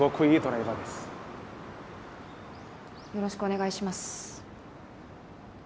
よろしくお願いします。